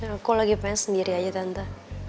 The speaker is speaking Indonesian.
aku lagi pengen sendiri aja tante